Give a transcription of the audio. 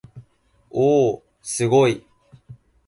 おおおすごい